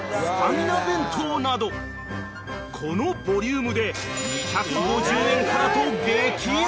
［このボリュームで２５０円からと激安！］